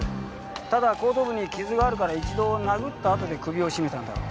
ただ後頭部に傷があるから一度殴ったあとに首を絞めたんだろう。